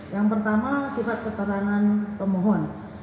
yang pertama sifat keterangan pemohon